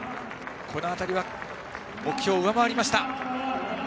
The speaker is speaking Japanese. この辺りは目標を上回りました。